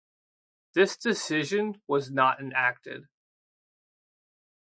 This decision was not enacted.